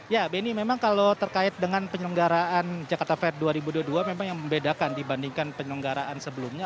ya benny memang kalau terkait dengan penyelenggaraan jakarta fair dua ribu dua puluh dua memang yang membedakan dibandingkan penyelenggaraan sebelumnya